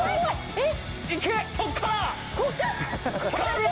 えっ？